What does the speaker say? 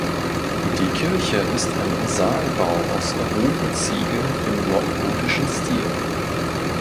Die Kirche ist ein Saalbau aus roten Ziegeln im neugotischen Stil.